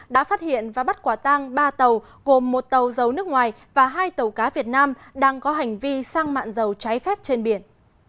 đã phát hiện và bắt quả tang ba tàu gồm một tàu dầu nước ngoài và hai tàu cá việt nam đang có hành vi sang mạng dầu trái phép trên biển